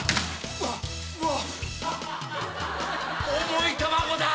重い卵だ！